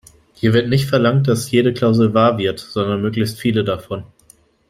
Hier wird nicht verlangt, dass jede Klausel wahr wird, sondern möglichst viele davon.